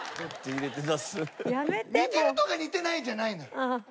似てるとか似てないじゃないのよ。